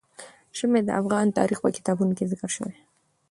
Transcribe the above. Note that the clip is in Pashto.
ژمی د افغان تاریخ په کتابونو کې ذکر شوی دي.